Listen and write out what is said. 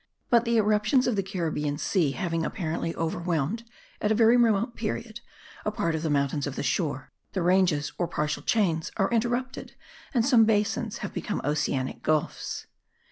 But the irruptions of the Caribbean Sea having apparently overwhelmed, at a very remote period, a part of the mountains of the shore, the ranges or partial chains are interrupted and some basins have become oceanic gulfs.